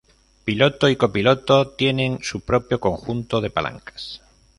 Piloto y copiloto tienen su propio conjunto de palancas.